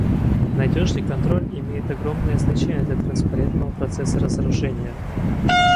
Надежный контроль имеет огромное значение для транспарентного процесса разоружения.